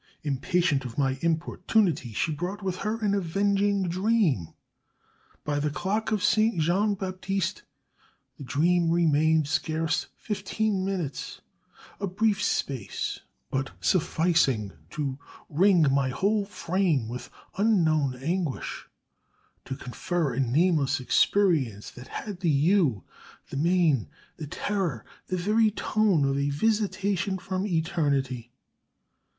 Impatient of my importunity she brought with her an avenging dream. By the clock of St. Jean Baptiste, that dream remained scarce fifteen minutes a brief space, but sufficing to wring my whole frame with unknown anguish; to confer a nameless experience that had the hue, the mien, the terror, the very tone of a visitation from eternity.